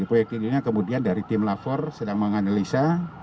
proyektilnya kemudian dari tim lapor sedang menganalisa